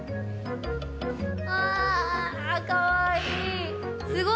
あー、かわいい。